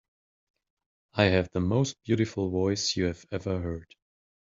I have the most beautiful voice you have ever heard.